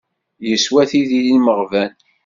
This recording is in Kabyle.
Yeswa tidi n imeɣban.